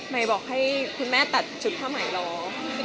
บอกให้คุณแม่ตัดชุดผ้าใหม่ล้อ